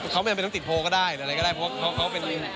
เขาไม่ต้องติดโพสต์ก็ได้อะไรก็ได้เพราะเขาเขาเป็น